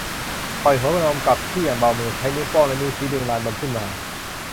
ปล่อยหัวนมกลับที่อย่างเบามือ ใช้นิ้วโป้งและนิ้วชี้ดึงลานนมขึ้นมา